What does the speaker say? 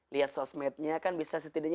lihat sosmednya kan bisa setidaknya